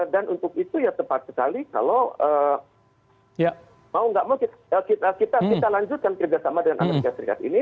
dan untuk itu ya tepat sekali kalau mau nggak mau kita lanjutkan kerjasama dengan amerika serikat ini